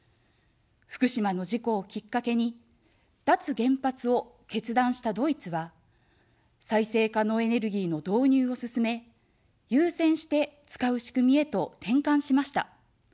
福島の事故をきっかけに、脱原発を決断したドイツは、再生可能エネルギーの導入を進め、優先して使う仕組みへと転換しました。